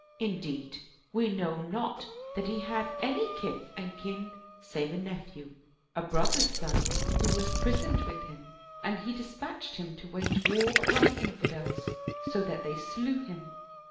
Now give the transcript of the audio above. Indeed, we know not that he hath any kith and kin save a nephew, a brother's son, who was prisoned with him, and he dispatched him to wage war upon the in fidels, so that they slew him."